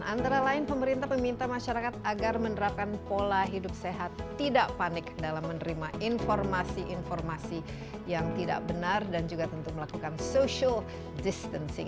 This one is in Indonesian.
antara lain pemerintah meminta masyarakat agar menerapkan pola hidup sehat tidak panik dalam menerima informasi informasi yang tidak benar dan juga tentu melakukan social distancing